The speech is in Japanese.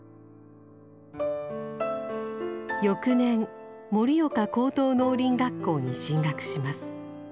翌年盛岡高等農林学校に進学します。